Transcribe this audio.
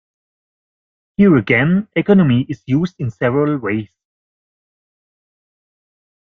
Here again, "economy" is used in several ways.